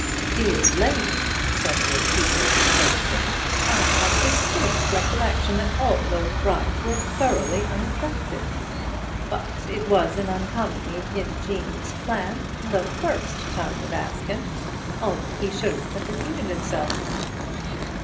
"Dear lady," said Lord Peter, reproachfully, "I have a distinct recollection that all those brides were thoroughly unattractive. But it was an uncommonly ingenious plan—the first time of askin'—only he shouldn't have repeated himself."